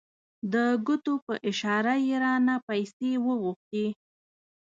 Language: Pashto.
د ګوتو په اشاره یې رانه پیسې وغوښتې.